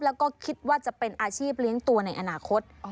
แล้วก็คิดว่าจะเป็นอาชีพเลี้ยงตัวในอนาคต